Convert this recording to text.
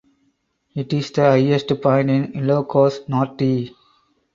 It is the highest point in Ilocos Norte.